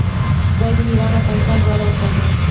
خدای دې ایران او افغانستان دواړه وساتي.